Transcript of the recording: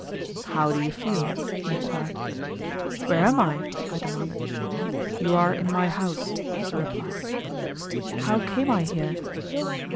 "How do you feel?" he inquired. "Where am I?" I demanded. "You are in my house," was the reply. "How came I here?"